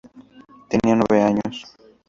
Tenía nueve años.